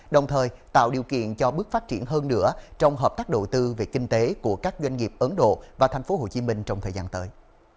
đồng thời tạo điều kiện cho bước phát triển hơn nữa trong hợp tác đầu tư về kinh tế của các doanh nghiệp ấn độ và tp hcm trong thời gian tới